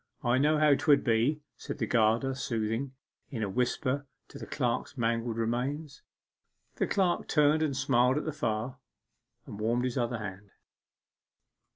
I knew how 'twould be,' said the gardener soothingly, in a whisper to the clerk's mangled remains. The clerk turned and smiled at the fire, and warmed his other hand.